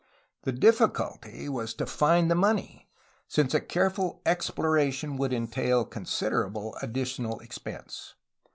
The diffi culty was to find the money, since a careful exploration would entail considerable additional expense.